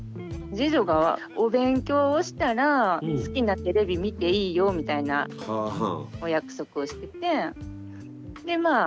次女がお勉強をしたら好きなテレビ見ていいよみたいなお約束をしててでまあ